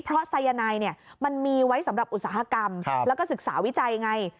เพราะสายนายมันมีไว้สำหรับอุตสาหกรรมแล้วก็ศึกษาวิจัยไง